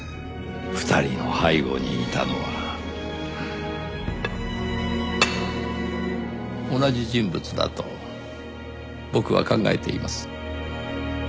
２人の背後にいたのは同じ人物だと僕は考えています。